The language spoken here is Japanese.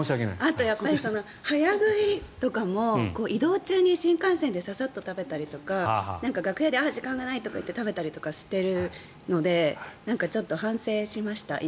あとやっぱり早食いとかも移動中に新幹線でささっと食べたりとか楽屋で時間がないとか言って食べたりしているのでちょっと反省しました、今。